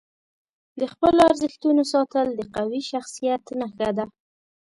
د خپلو ارزښتونو ساتل د قوي شخصیت نښه ده.